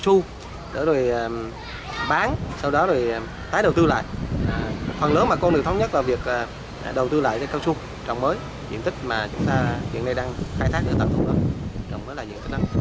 đầu tiên bà con đã tổng thu một số diện tích cao su rồi bán sau đó rồi tái đầu tư lại phần lớn bà con được thống nhất là việc đầu tư lại cái cao su trồng mới diện tích mà chúng ta hiện nay đang khai thác được tổng thu được trồng mới là diện tích năng